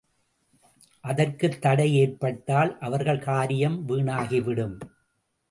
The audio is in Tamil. அதற்குத் தடை ஏற்பட்டால் அவர்கள் காரியம் வீணாகிவிடும்.